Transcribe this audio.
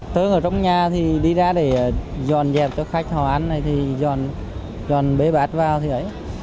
tới ở trong nhà thì đi ra để dòn dẹp cho khách họ ăn này thì dòn bế bát vào